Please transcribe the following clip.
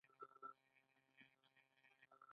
دوهم د زده کوونکي فزیالوجیکي حالت دی.